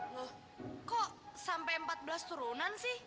loh kok sampai empat belas turunan sih